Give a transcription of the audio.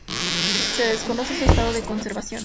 Se desconoce su estado de conservación.